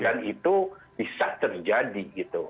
dan itu bisa terjadi gitu